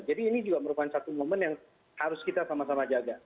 jadi ini juga merupakan satu momen yang harus kita sama sama jaga